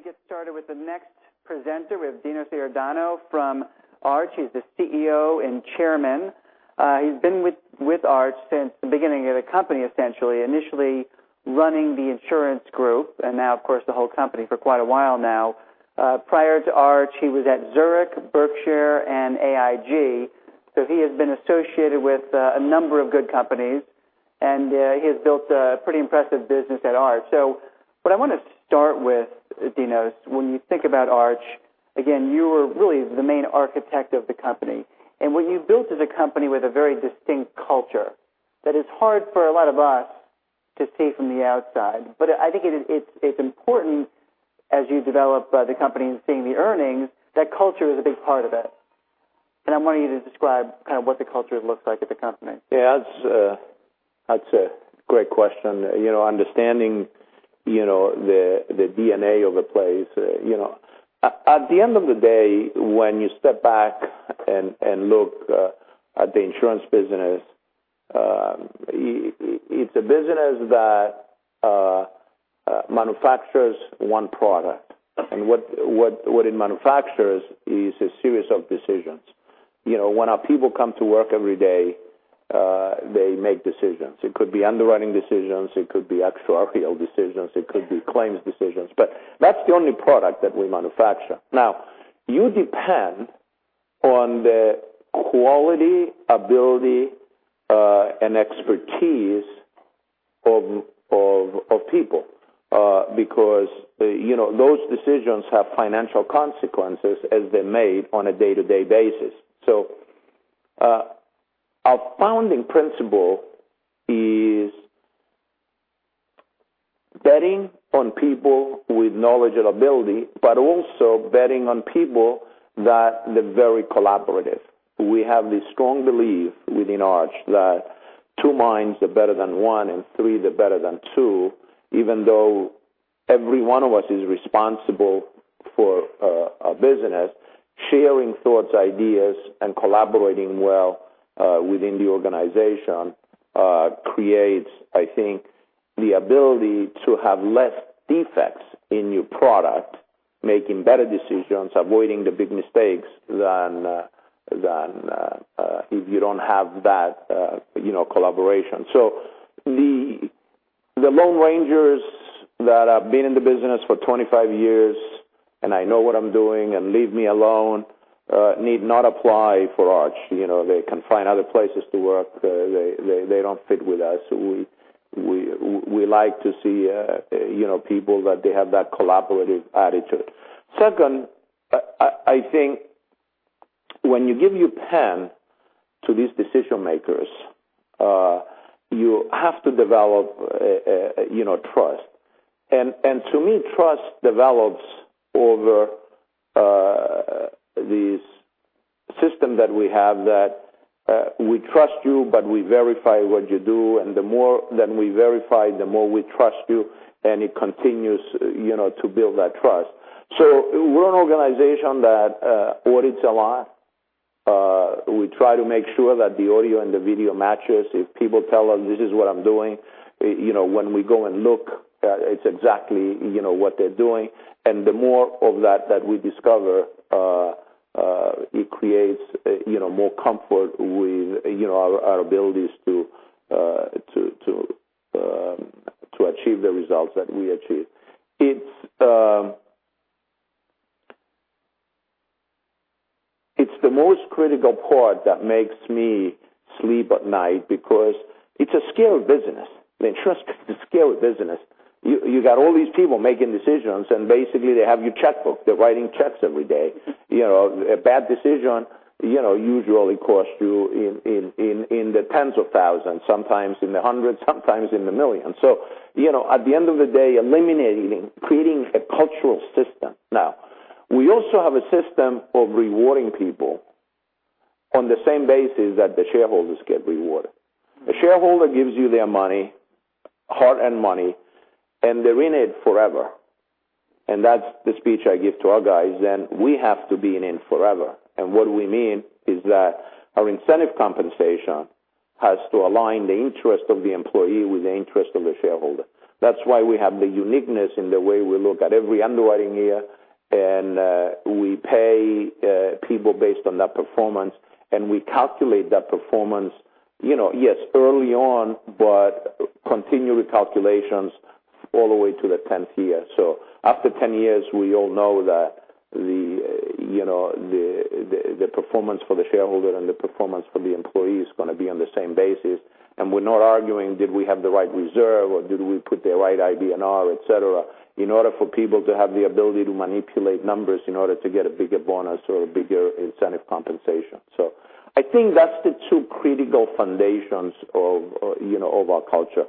Ready to get started with the next presenter. We have Dinos Iordanou from Arch. He's the CEO and Chairman. He's been with Arch since the beginning of the company, essentially, initially running the insurance group and now, of course, the whole company for quite a while now. Prior to Arch, he was at Zurich, Berkshire, and AIG. He has been associated with a number of good companies, and he has built a pretty impressive business at Arch. What I want to start with, Dinos, when you think about Arch, again, you are really the main architect of the company. What you've built is a company with a very distinct culture that is hard for a lot of us to see from the outside. I think it's important as you develop the company and seeing the earnings, that culture is a big part of it. I want you to describe kind of what the culture looks like at the company. Yeah. That's a great question. Understanding the DNA of the place. At the end of the day, when you step back and look at the insurance business, it's a business that manufactures one product. What it manufactures is a series of decisions. When our people come to work every day, they make decisions. It could be underwriting decisions, it could be actuarial decisions, it could be claims decisions. That's the only product that we manufacture. Now, you depend on the quality, ability, and expertise of people, because those decisions have financial consequences as they're made on a day-to-day basis. Our founding principle is betting on people with knowledge and ability, but also betting on people that they're very collaborative. We have this strong belief within Arch that two minds are better than one, and three are better than two. Even though every one of us is responsible for our business, sharing thoughts, ideas, and collaborating well within the organization creates, I think, the ability to have less defects in your product, making better decisions, avoiding the big mistakes than if you don't have that collaboration. The lone rangers that have been in the business for 25 years, and I know what I'm doing and leave me alone need not apply for Arch. They can find other places to work. They don't fit with us. We like to see people that they have that collaborative attitude. Second, I think when you give your pen to these decision-makers, you have to develop trust. To me, trust develops over this system that we have that we trust you, but we verify what you do, and the more that we verify, the more we trust you, and it continues to build that trust. We're an organization that audits a lot. We try to make sure that the audio and the video matches. If people tell us, "This is what I'm doing," when we go and look, it's exactly what they're doing. The more of that that we discover, it creates more comfort with our abilities to achieve the results that we achieve. It's the most critical part that makes me sleep at night because it's a scale business. I mean, trust is a scale business. You got all these people making decisions, and basically, they have your checkbook. They're writing checks every day. A bad decision usually costs you in the tens of thousands, sometimes in the hundreds, sometimes in the millions. At the end of the day, eliminating, creating a cultural system. We also have a system of rewarding people on the same basis that the shareholders get rewarded. A shareholder gives you their money, hard-earned money, and they're in it forever. That's the speech I give to our guys. We have to be in it forever. What we mean is that our incentive compensation has to align the interest of the employee with the interest of the shareholder. That's why we have the uniqueness in the way we look at every underwriting year, and we pay people based on that performance, and we calculate that performance, yes, early on, but continue the calculations all the way to the 10th year. After 10 years, we all know that the performance for the shareholder and the performance for the employee is going to be on the same basis. We're not arguing, did we have the right reserve or did we put the right IBNR, et cetera, in order for people to have the ability to manipulate numbers in order to get a bigger bonus or a bigger incentive compensation. I think that's the two critical foundations of our culture.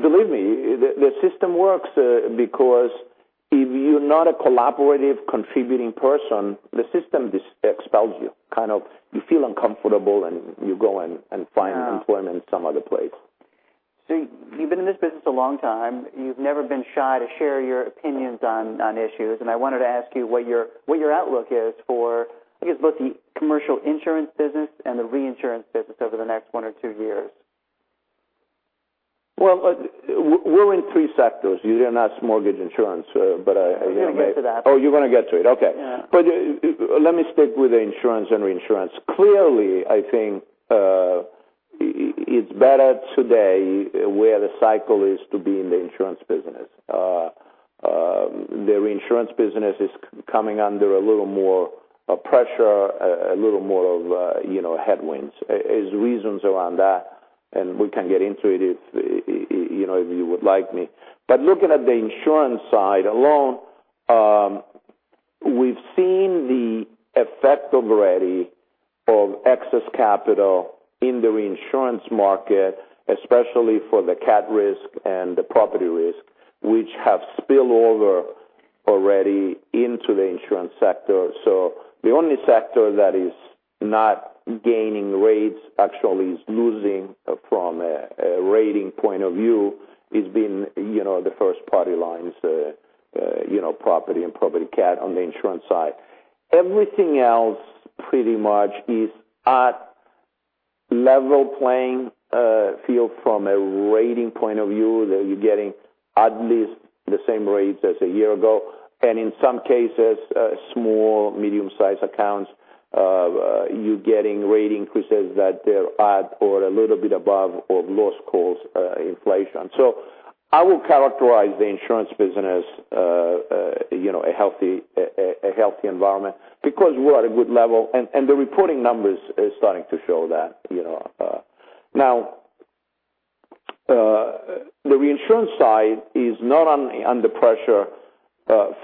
Believe me, the system works because if you're not a collaborative, contributing person, the system expels you. Kind of you feel uncomfortable, and you go and find employment some other place. You've been in this business a long time. You've never been shy to share your opinions on issues, and I wanted to ask you what your outlook is for, I guess, both the commercial insurance business and the reinsurance business over the next one or two years. Well, we're in three sectors. You did not ask Mortgage Insurance. I'm going to get to that. Oh, you're going to get to it. Okay. Yeah. Let me stick with the Insurance and Reinsurance. Clearly, I think it's better today where the cycle is to be in the Insurance business. The Reinsurance business is coming under a little more pressure, a little more of headwinds. There's reasons around that, we can get into it if you would like me. Looking at the Insurance side alone, we've seen the effect already of excess capital in the Reinsurance market, especially for the Cat risk and the property risk, which have spillover already into the Insurance sector. The only sector that is not gaining rates, actually is losing from a rating point of view, is the first-party lines, Property and Property Cat on the Insurance side. Everything else pretty much is at level playing field from a rating point of view. They're getting at least the same rates as a year ago. In some cases, small, medium-sized accounts, you're getting rate increases that they're at or a little bit above of loss cost inflation. I would characterize the insurance business a healthy environment because we're at a good level, and the reporting numbers are starting to show that. The reinsurance side is not under pressure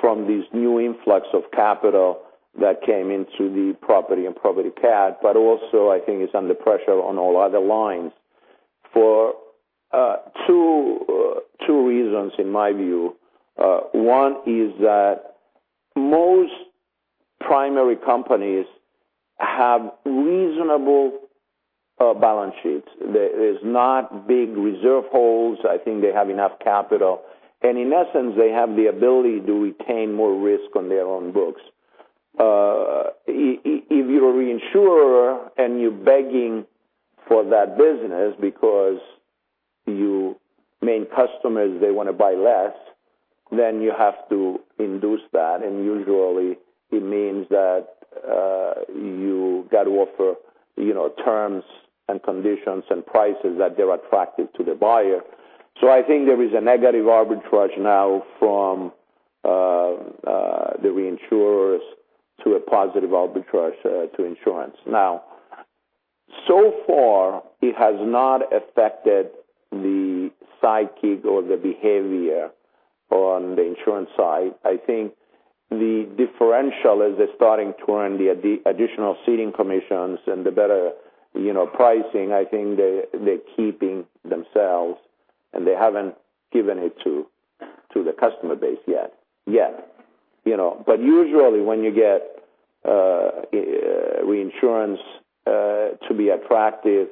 from this new influx of capital that came into the property and property cat, but also, I think it's under pressure on all other lines for two reasons in my view. One is that most primary companies have reasonable balance sheets. There's not big reserve holes. I think they have enough capital. In essence, they have the ability to retain more risk on their own books. If you're a reinsurer and you're begging for that business because your main customers, they want to buy less, then you have to induce that. Usually, it means that you got to offer terms and conditions and prices that they're attractive to the buyer. I think there is a negative arbitrage now from the reinsurers to a positive arbitrage to insurance. So far, it has not affected the psyche or the behavior on the insurance side. I think the differential is they're starting to earn the additional ceding commissions and the better pricing. I think they're keeping themselves, and they haven't given it to the customer base yet. Usually when you get reinsurance to be attractive,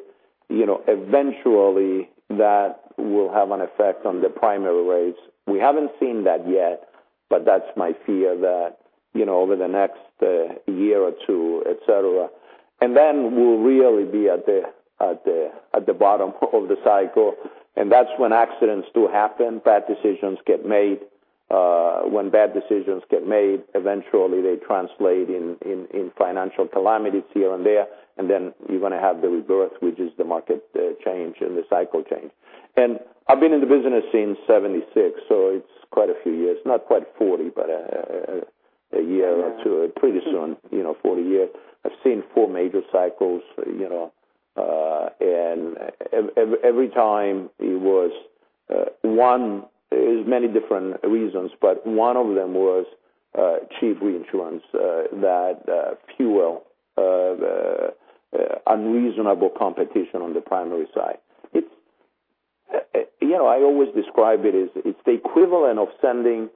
eventually that will have an effect on the primary rates. We haven't seen that yet, but that's my fear that over the next year or two, et cetera. We'll really be at the bottom of the cycle, and that's when accidents do happen, bad decisions get made. When bad decisions get made, eventually they translate in financial calamities here and there, and then you're going to have the rebirth, which is the market change and the cycle change. I've been in the business since 1976, so it's quite a few years. Not quite 40, but a year or two. Pretty soon 40 years. I've seen four major cycles. Every time there's many different reasons, but one of them was chief reinsurance that fuel unreasonable competition on the primary side. I always describe it as it's the equivalent of sending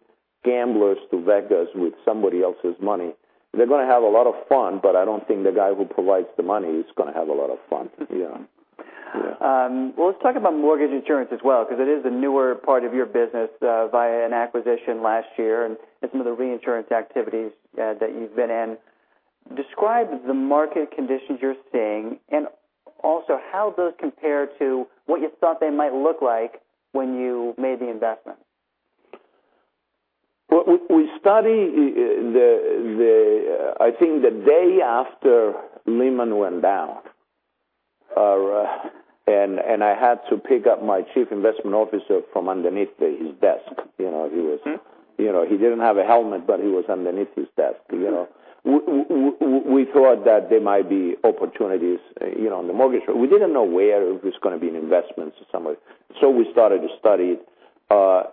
gamblers to Vegas with somebody else's money. They're going to have a lot of fun, but I don't think the guy who provides the money is going to have a lot of fun. Yeah. Yeah. Let's talk about mortgage insurance as well, because it is a newer part of your business via an acquisition last year and some of the reinsurance activities that you've been in. Describe the market conditions you're seeing, and also how those compare to what you thought they might look like when you made the investment. We studied I think the day after Lehman went down. I had to pick up my chief investment officer from underneath his desk. He didn't have a helmet, but he was underneath his desk. Yeah. We thought that there might be opportunities in the mortgage. We didn't know where it was going to be in investments or somewhere. We started to study it. We saw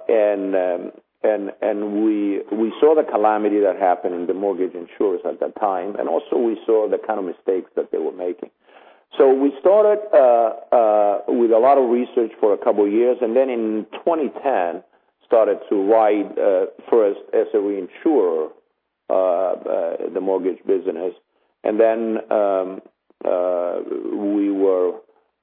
the calamity that happened in the mortgage insurers at that time. Also, we saw the kind of mistakes that they were making. We started with a lot of research for a couple of years, and then in 2010, started to write first as a reinsurer the mortgage business. Then we were,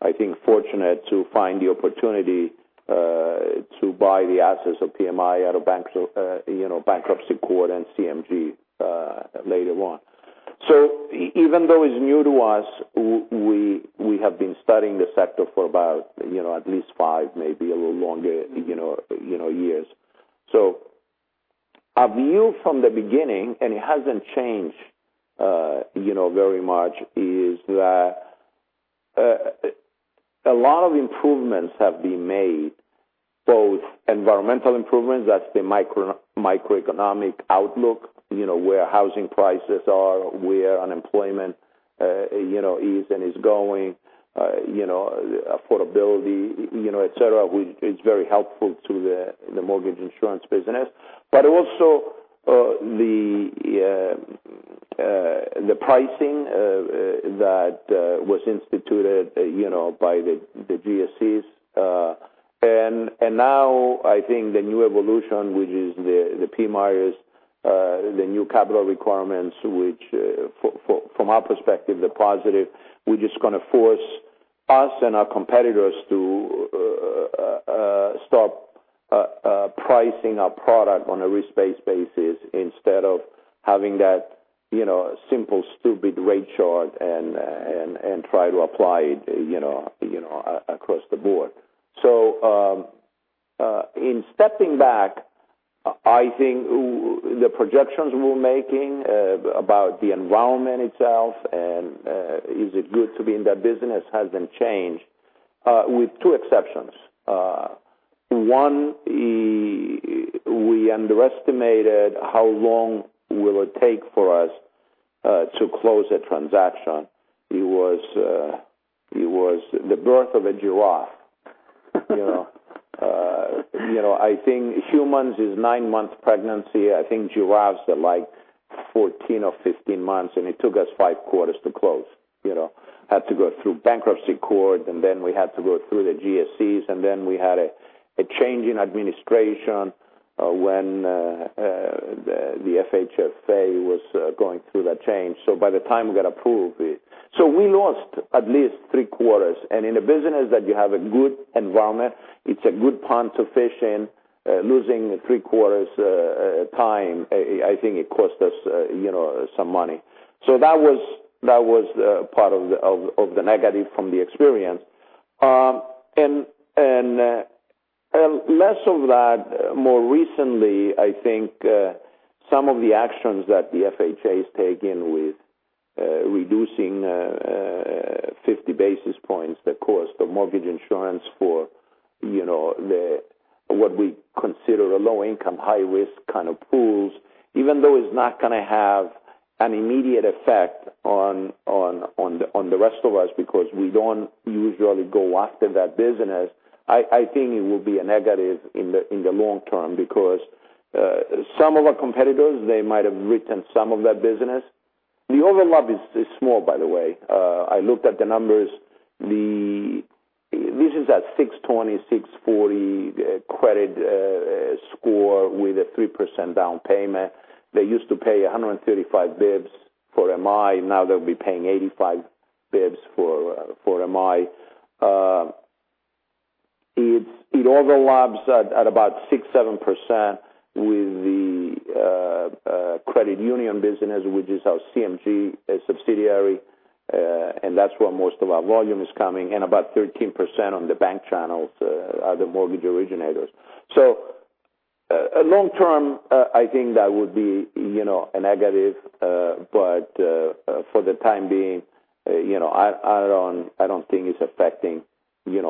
I think, fortunate to find the opportunity to buy the assets of PMI out of bankruptcy court and CMG later on. Even though it's new to us, we have been studying the sector for about at least five, maybe a little longer, years. Our view from the beginning, and it hasn't changed very much, is that a lot of improvements have been made, both environmental improvements, that's the microeconomic outlook where housing prices are, where unemployment is and is going, affordability, et cetera. It's very helpful to the mortgage insurance business. The pricing that was instituted by the GSEs. Now I think the new evolution, which is the PMIERs, the new capital requirements, which from our perspective, they're positive, which is going to force us and our competitors to start pricing our product on a risk-based basis instead of having that simple, stupid rate chart and try to apply it across the board. In stepping back, I think the projections we're making about the environment itself and is it good to be in that business hasn't changed, with two exceptions. One, we underestimated how long will it take for us to close a transaction. It was the birth of a giraffe. I think humans is nine months pregnancy. I think giraffes are 14 or 15 months, and it took us five quarters to close. Had to go through bankruptcy court, and then we had to go through the GSEs, and then we had a change in administration when the FHFA was going through that change. By the time we got approved, we lost at least three quarters. In a business that you have a good environment, it's a good pond to fish in, losing three quarters' time, I think it cost us some money. That was part of the negative from the experience. Less of that, more recently, I think some of the actions that the FHA is taking with reducing 50 basis points the cost of mortgage insurance for what we consider a low-income, high-risk kind of pools. Even though it's not going to have an immediate effect on the rest of us because we don't usually go after that business, I think it will be a negative in the long term because some of our competitors, they might have written some of that business. The overlap is small, by the way. I looked at the numbers. This is at 620, 640 credit score with a 3% down payment. They used to pay 135 basis points for MI, now they'll be paying 85 basis points for MI. It overlaps at about 6, 7% with the credit union business, which is our CMG subsidiary. That's where most of our volume is coming, and about 13% on the bank channels are the mortgage originators. Long term, I think that would be a negative. For the time being I don't think it's affecting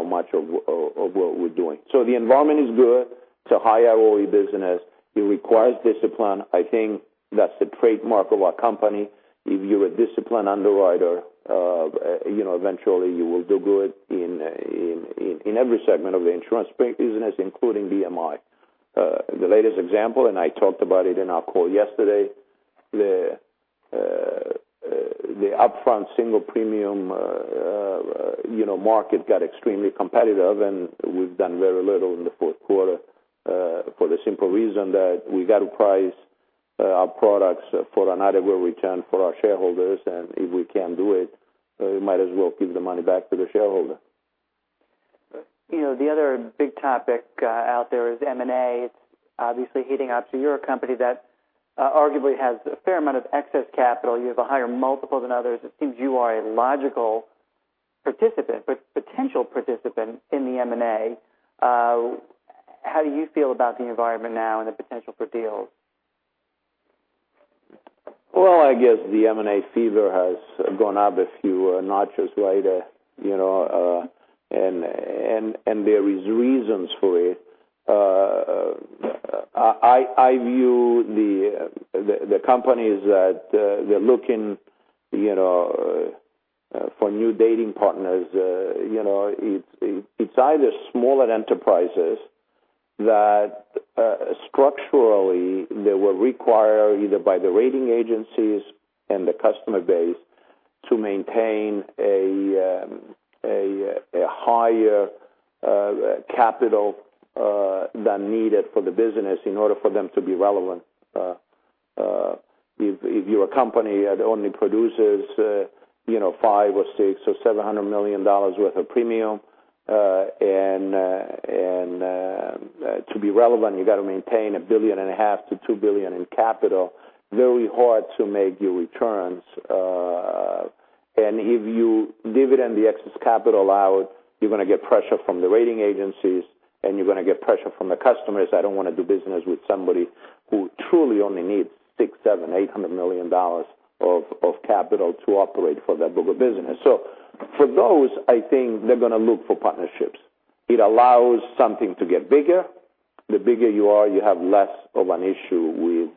much of what we're doing. The environment is good. It's a high ROI business. It requires discipline. I think that's the trademark of our company. If you're a disciplined underwriter eventually you will do good in every segment of the insurance business, including the MI. The latest example, and I talked about it in our call yesterday, the upfront single premium market got extremely competitive, and we've done very little in the fourth quarter for the simple reason that we got to price our products for an adequate return for our shareholders. If we can't do it, we might as well give the money back to the shareholder. The other big topic out there is M&A. It's obviously heating up. You're a company that arguably has a fair amount of excess capital. You have a higher multiple than others. It seems you are a logical participant, but potential participant in the M&A. How do you feel about the environment now and the potential for deals? Well, I guess the M&A fever has gone up a few notches, right? There is reasons for it. I view the companies that they're looking for new dating partners. It's either smaller enterprises that structurally they were required either by the rating agencies and the customer base to maintain a higher capital than needed for the business in order for them to be relevant. If your company only produces $500 million or $600 million or $700 million worth of premium, and to be relevant, you've got to maintain $1.5 billion-$2 billion in capital, very hard to make your returns. If you dividend the excess capital out, you're going to get pressure from the rating agencies, and you're going to get pressure from the customers. I don't want to do business with somebody who truly only needs $600 million, $700 million, $800 million of capital to operate for that book of business. For those, I think they're going to look for partnerships. It allows something to get bigger. The bigger you are, you have less of an issue with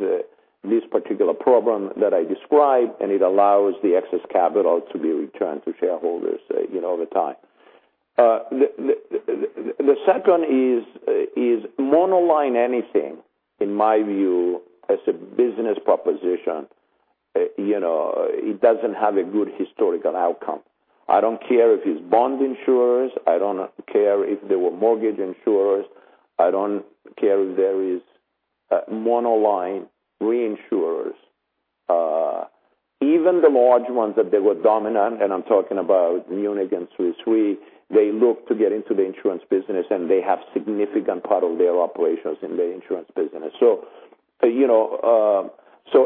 this particular problem that I described, and it allows the excess capital to be returned to shareholders over time. The second is mono-line anything, in my view, as a business proposition, it doesn't have a good historical outcome. I don't care if it's bond insurers, I don't care if they were mortgage insurers. I don't care if there is mono-line reinsurers. Even the large ones that they were dominant, and I'm talking about Munich Re and Swiss Re, they look to get into the insurance business, and they have significant part of their operations in the insurance business.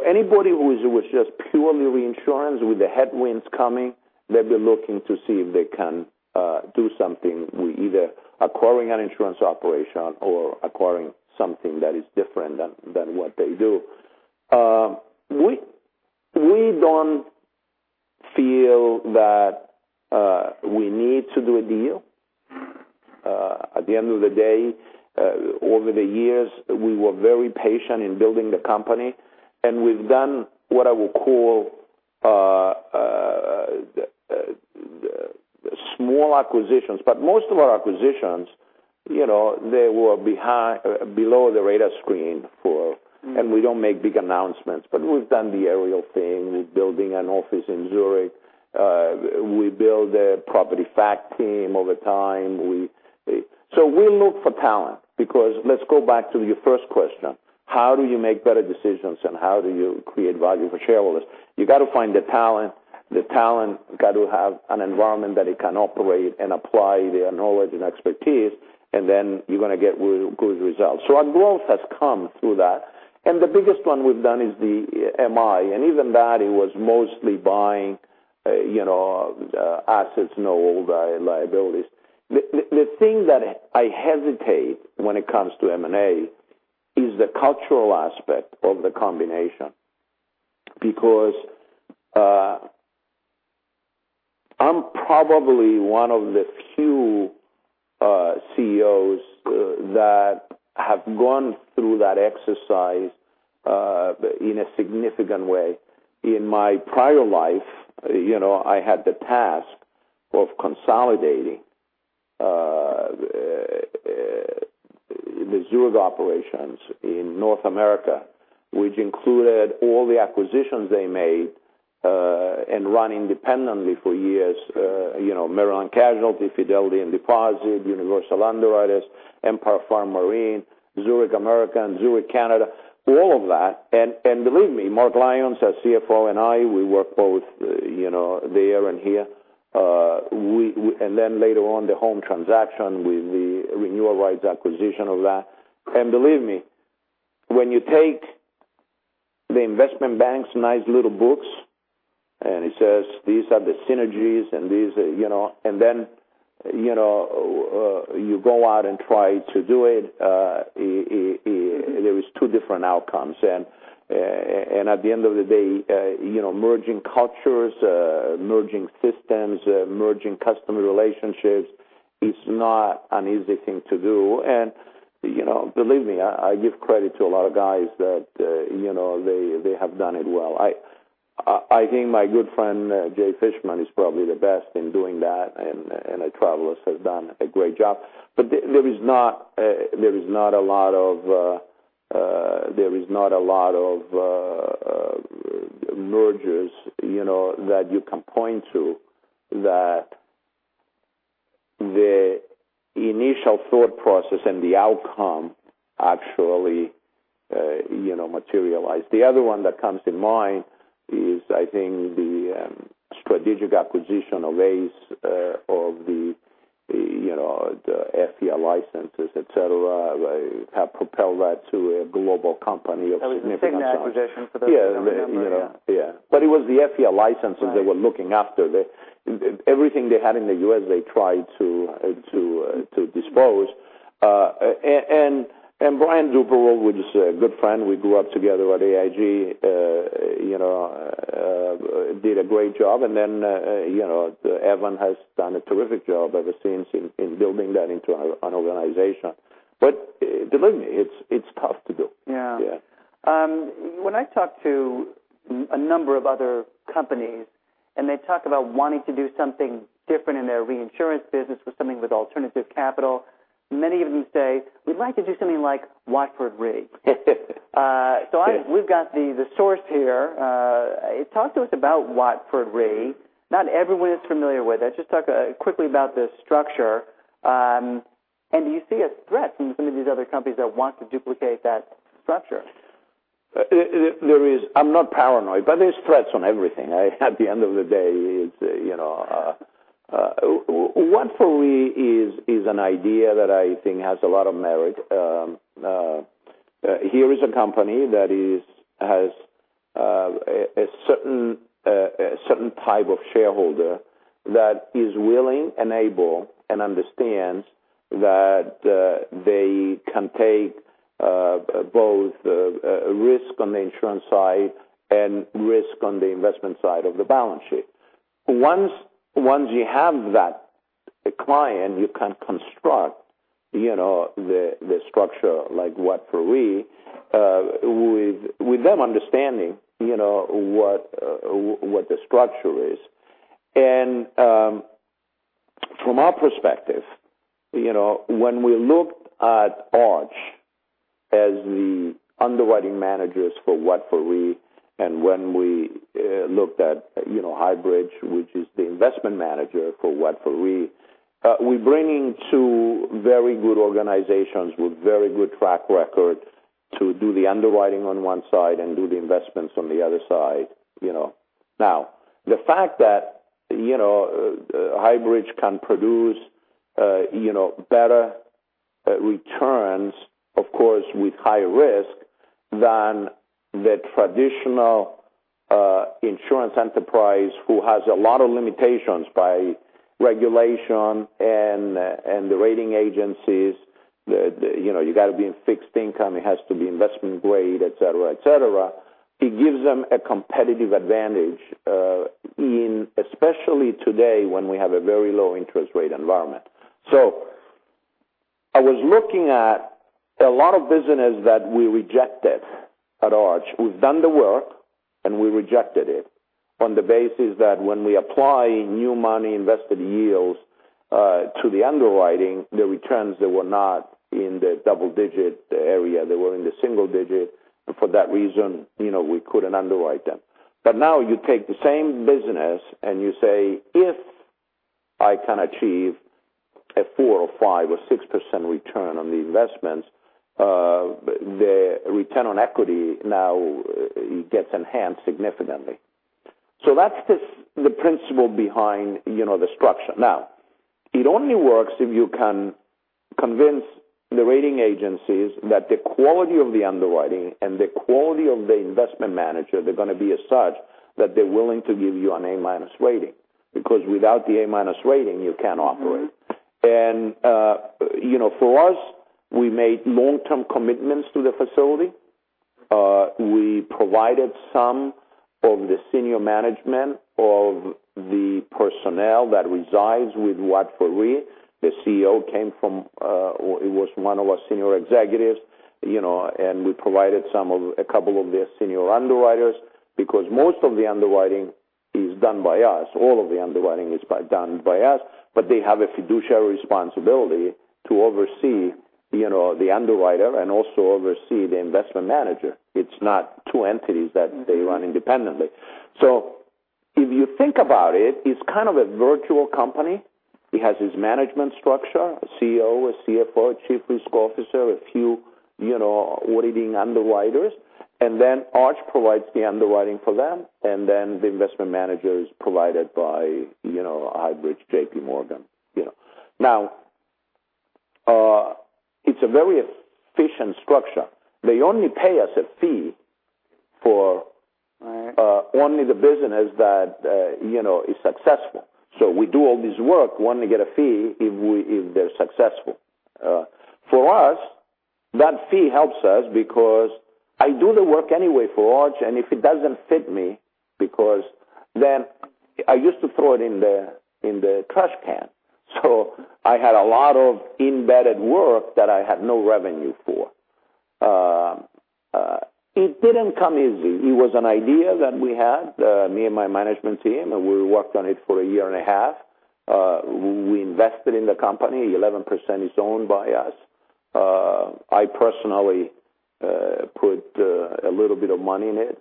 Anybody who is just purely reinsurance with the headwinds coming, they'll be looking to see if they can do something with either acquiring an insurance operation or acquiring something that is different than what they do. We don't feel that we need to do a deal. At the end of the day, over the years, we were very patient in building the company, and we've done what I would call small acquisitions. Most of our acquisitions, they were below the radar screen. We don't make big announcements. We've done the Ariel Re thing with building an office in Zurich. We build a property cat team over time. We look for talent, because let's go back to your first question. How do you make better decisions and how do you create value for shareholders? You got to find the talent. The talent got to have an environment that it can operate and apply their knowledge and expertise, then you're going to get good results. Our growth has come through that. The biggest one we've done is the MI, and even that, it was mostly buying assets, no old liabilities. The thing that I hesitate when it comes to M&A is the cultural aspect of the combination. I'm probably one of the few CEOs that have gone through that exercise in a significant way. In my prior life, I had the task of consolidating the Zurich operations in North America, which included all the acquisitions they made and run independently for years. Maryland Casualty, Fidelity & Deposit, Universal Underwriters, Empire Fire and Marine, Zurich North America, and Zurich Canada, all of that. Believe me, Mark Lyons, our CFO, and I, we work both there and here. Later on, the Home Insurance Company transaction with the renewal rights acquisition of that. Believe me, when you take the investment bank's nice little books, and it says, "These are the synergies," then you go out and try to do it, there is two different outcomes. At the end of the day, merging cultures, merging systems, merging customer relationships is not an easy thing to do. Believe me, I give credit to a lot of guys that they have done it well. I think my good friend, Jay Fishman, is probably the best in doing that. Travelers has done a great job. There is not a lot of mergers that you can point to that the initial thought process and the outcome actually materialize. The other one that comes in mind is, I think, the strategic acquisition of ACE of the FCL licenses, et cetera, have propelled that to a global company of significant size. That was the Cigna acquisition for those who don't remember. Yeah. It was the FTL licenses they were looking after. Everything they had in the U.S., they tried to dispose. Brian Duperrault, who is a good friend, we grew up together at AIG, did a great job. Evan has done a terrific job ever since in building that into an organization. Believe me, it's tough to do. Yeah. Yeah. When I talk to a number of other companies, and they talk about wanting to do something different in their reinsurance business with something with alternative capital, many of them say, "We'd like to do something like Watford Re. Good. Talk to us about Watford Re. Not everyone is familiar with it. Just talk quickly about the structure. Do you see a threat from some of these other companies that want to duplicate that structure? I'm not paranoid, there's threats on everything. At the end of the day, Watford Re is an idea that I think has a lot of merit. Here is a company that has a certain type of shareholder that is willing and able and understands that they can take both risk on the insurance side and risk on the investment side of the balance sheet. Once you have that client, you can construct the structure like Watford Re, with them understanding what the structure is. From our perspective, when we looked at Arch as the underwriting managers for Watford Re, when we looked at Highbridge, which is the investment manager for Watford Re, we're bringing two very good organizations with very good track record to do the underwriting on one side and do the investments on the other side. The fact that Highbridge can produce better returns, of course, with higher risk, than the traditional insurance enterprise who has a lot of limitations by regulation and the rating agencies. You got to be in fixed income, it has to be investment grade, et cetera. It gives them a competitive advantage, especially today when we have a very low interest rate environment. I was looking at a lot of business that we rejected at Arch. We've done the work, we rejected it on the basis that when we apply new money invested yields to the underwriting, the returns that were not in the double-digit area, they were in the single-digit. For that reason, we couldn't underwrite them. Now you take the same business and you say, "If I can achieve a 4% or 5% or 6% return on the investments," the return on equity now gets enhanced significantly. That's the principle behind the structure. It only works if you can convince the rating agencies that the quality of the underwriting and the quality of the investment manager, they're going to be as such that they're willing to give you an A-minus rating. Without the A-minus rating, you can't operate. For us, we made long-term commitments to the facility. We provided some of the senior management of the personnel that resides with Watford Re. The CEO was one of our senior executives. We provided a couple of their senior underwriters because most of the underwriting is done by us. All of the underwriting is done by us, but they have a fiduciary responsibility to oversee the underwriter and also oversee the investment manager. It's not two entities that they run independently. If you think about it's kind of a virtual company. It has its management structure, a CEO, a CFO, a chief risk officer, a few auditing underwriters. Arch provides the underwriting for them, and then the investment manager is provided by Highbridge, JPMorgan. It's a very efficient structure. They only pay us a fee for- Right only the business that is successful. We do all this work, wanting to get a fee if they're successful. For us, that fee helps us because I do the work anyway for Arch, and if it doesn't fit me, because then I used to throw it in the trash can. I had a lot of embedded work that I had no revenue for. It didn't come easy. It was an idea that we had, me and my management team, and we worked on it for a year and a half. We invested in the company. 11% is owned by us. I personally put a little bit of money in it.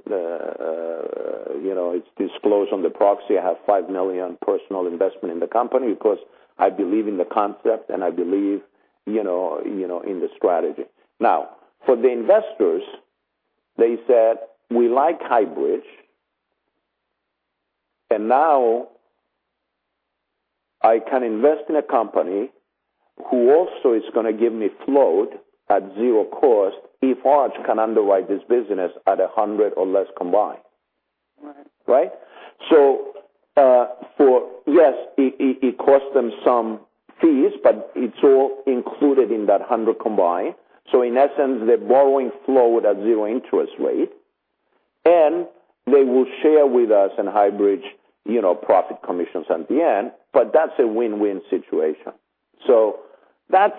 It's disclosed on the proxy. I have $5 million personal investment in the company because I believe in the concept, and I believe in the strategy. For the investors, they said, "We like Highbridge, and now I can invest in a company who also is going to give me float at zero cost if Arch can underwrite this business at 100 or less combined. Right. Right? Yes, it costs them some fees, but it's all included in that 100 combined. In essence, they're borrowing flow at zero interest rate, and they will share with us in Highbridge profit commissions at the end. That's a win-win situation. That's,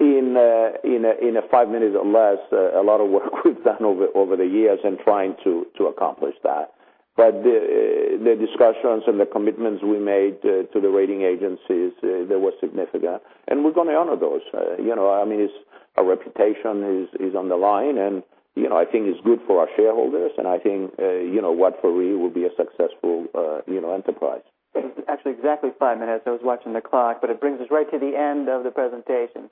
in five minutes or less, a lot of work we've done over the years in trying to accomplish that. The discussions and the commitments we made to the rating agencies, they were significant. We're going to honor those. Our reputation is on the line, and I think it's good for our shareholders, and I think Watford Re will be a successful enterprise. Actually, exactly five minutes. I was watching the clock. It brings us right to the end of the presentation.